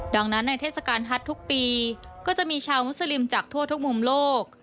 ดังนั้นในเทศกาลฮัททุกปีก็จะมีชาวมุสลิมจากทั่วทุกมุมโลก